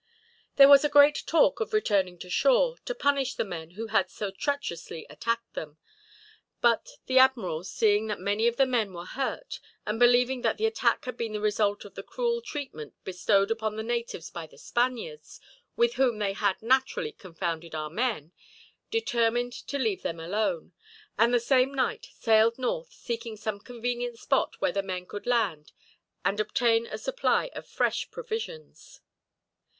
There was a great talk of returning to shore, to punish the men who had so treacherously attacked them. But the admiral, seeing that many of the men were hurt, and believing that the attack had been the result of the cruel treatment bestowed upon the natives by the Spaniards, with whom they had naturally confounded our men, determined to leave them alone; and the same night sailed north, seeking some convenient spot where the men could land, and obtain a supply of fresh provisions.